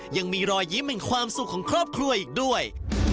ยังมีรอยยิ้มแห่งความสุขของครอบครัวอีกด้วย